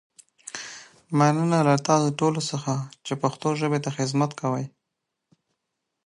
عامه سرچینې د ساتنې اړتیا لري.